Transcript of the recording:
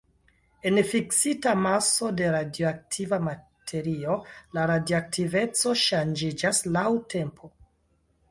En fiksita maso de radioaktiva materio, la radioaktiveco ŝanĝiĝas laŭ tempo.